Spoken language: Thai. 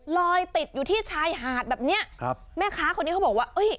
ลอยติดอยู่ที่ชายหาดแบบเนี้ยครับแม่ค้าคนนี้เขาบอกว่าเอ้ย